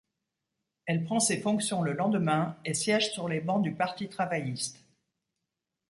Elle prend ses fonctions le lendemain et siège sur les bancs du Parti travailliste.